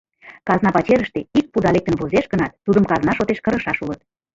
— Казна пачерыште ик пуда лектын возеш гынат, тудым казна шотеш кырышаш улыт.